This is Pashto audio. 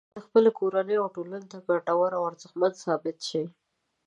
او خپلې کورنۍ او ټولنې ته ګټور او ارزښتمن ثابت شي